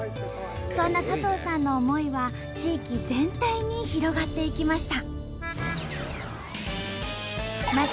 そんな佐藤さんの思いは地域全体に広がっていきました。